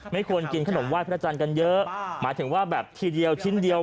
ไม่ควรกินขนมไหว้พระจันทร์กันเยอะหมายถึงว่าแบบทีเดียวชิ้นเดียว